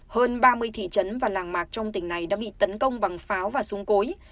hơn ba mươi thị trấn và làng mạc trong tỉnh này đã bị tấn công bằng pháo và súng cối